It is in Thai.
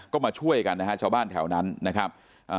ก็มาช่วยกันนะฮะชาวบ้านแถวนั้นนะครับ